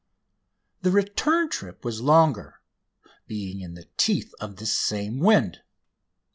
The return trip was longer, being in the teeth of this same wind.